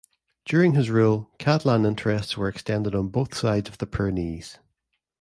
During his rule Catalan interests were extended on both sides of the Pyrenees.